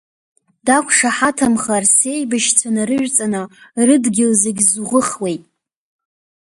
Дақәшаҳаҭымхар сеибашьцәа нарыжәҵаны рыдгьыл зегьы зӷәыхуеит!